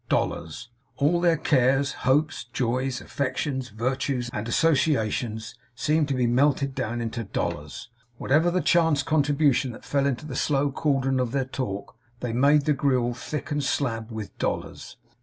Dollars. All their cares, hopes, joys, affections, virtues, and associations, seemed to be melted down into dollars. Whatever the chance contributions that fell into the slow cauldron of their talk, they made the gruel thick and slab with dollars.